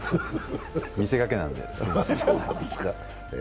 見せかけなんで。